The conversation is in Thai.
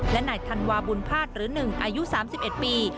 และนายธันวาบุญภาษณ์หรือ๑อายุ๓๑ปี